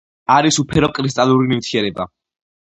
არის უფერო კრისტალური ნივთიერება.